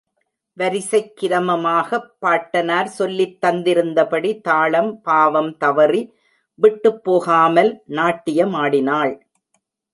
வரிசைக் கிராமமாகப் பாட்டனார் சொல்லித் தந்திருந்தபடி, தாளம், பாவம் தவறி, விட்டுப் போகாமல் நாட்டியமாடினாள்.